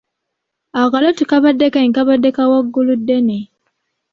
Akalo tekabadde kange kabadde ka Wagguluddene.